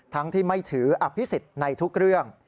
ที่ไม่ถืออภิษฎในทุกเรื่อง